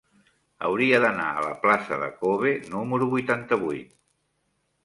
Hauria d'anar a la plaça de K-obe número vuitanta-vuit.